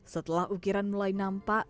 setelah ukiran mulai nampak